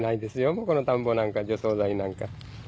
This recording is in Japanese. ここの田んぼなんか除草剤なんか。